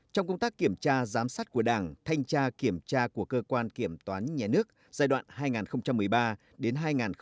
trong công tác kiểm tra giám sát của đảng thanh tra kiểm tra của cơ quan kiểm toán nhà nước giai đoạn hai nghìn một mươi ba đến hai nghìn hai mươi